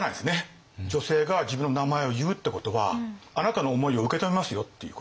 女性が自分の名前を言うってことはあなたの思いを受け止めますよっていうこと。